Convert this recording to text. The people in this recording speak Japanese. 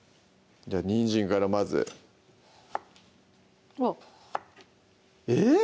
じゃあにんじんからまずうわっえっ？